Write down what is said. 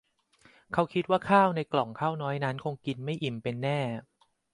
เขาคิดว่าข้าวในก่องข้าวน้อยนั้นคงกินไม่อิ่มเป็นแน่